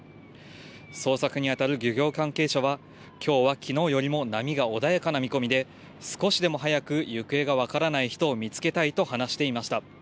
捜索に当たる漁業関係者は、きょうはきのうよりも波が穏やかな見込みで、少しでも早く行方が分からない人を見つけたいと話していました。